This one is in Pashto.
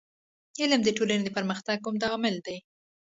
علم د ټولني د پرمختګ عمده عامل دی.